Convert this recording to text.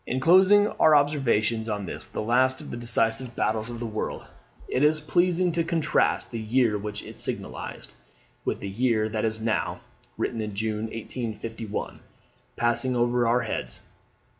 In closing our observations on this the last of the Decisive Battles of the World, it is pleasing to contrast the year which it signalized with the year that is now [Written in June 1851.] passing over our heads.